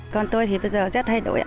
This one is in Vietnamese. con tôi thì bây giờ rất thay đổi ạ